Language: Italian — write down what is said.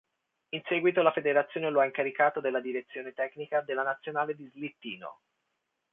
In seguito la federazione lo ha incaricato della direzione tecnica della nazionale di slittino.